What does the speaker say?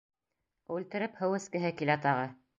Үлтереп һыу эскеһе килә тағы.